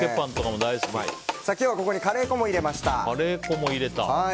今日はここにカレー粉も入れました。